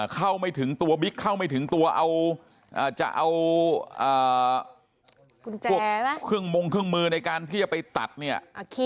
เข้าไม่ถึงตัวบิ๊กเข้าไม่ถึงตัวเอาจะเอาพวกเครื่องมงเครื่องมือในการที่จะไปตัดเนี่ย